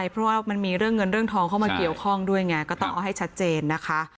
เพราะว่ามันมีเรื่องเงินเรื่องทองเข้ามาเกี่ยวข้องด้วยไงก็ต้องเอาให้ชัดเจนนะคะ